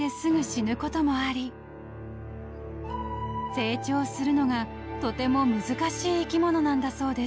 ［成長するのがとても難しい生き物なんだそうです］